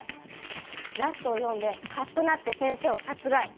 ラストを読んでカッとなって先生を殺害。